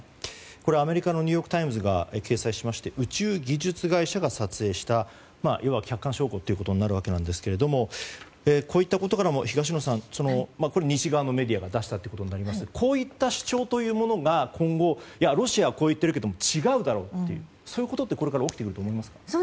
アメリカのニューヨーク・タイムズが掲載しまして宇宙技術会社が撮影したいわば客観証拠ということになるわけなんですがこういったことからも東野さん、西側のメディアが出したということになりますがこういった主張というものが今後ロシアはこう言っているけれど違うだろうというそういうことってこれから起きてくると思いますか。